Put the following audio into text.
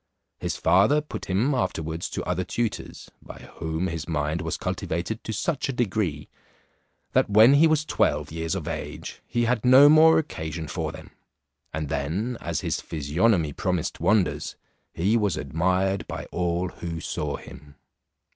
His father put him afterwards to other tutors, by whom his mind was cultivated to such a degree, that when he was twelve years of age he had no more occasion for them. And then, as his physiognomy promised wonders, he was admired by all who saw him.